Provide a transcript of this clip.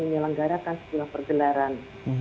melanggarakan sebuah pergelaran